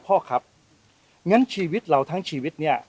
พ่อครับงั้นชีวิตเราทั้งชีวิตเนี่ย